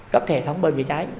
các hệ thống bơm chở cháy